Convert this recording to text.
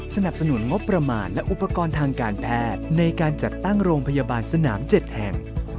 สนับสนุนงบประมาณและอุปกรณ์ทางการแพทย์ในการจัดตั้งโรงพยาบาลสนาม๗แห่ง